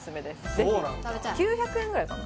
ぜひ９００円ぐらいかな